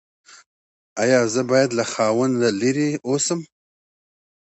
ایا زه باید له خاوند لرې اوسم؟